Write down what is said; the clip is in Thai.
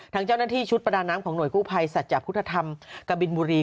ทางเจ้าหน้าที่ชุดประดาน้ำของหน่วยกู้ภัยสัจจะพุทธธรรมกะบินบุรี